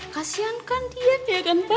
kasian kan dia ya kan pa